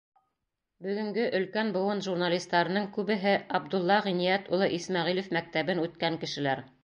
Бөгөнгө өлкән быуын журналистарының күбеһе Абдулла Ғиниәт улы Исмәғилев мәктәбен үткән кешеләр.